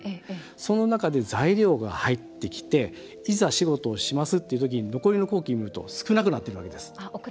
その中で材料が入ってきていざ、仕事をしますというときに残りの工期を見ると少なくなっているわけです。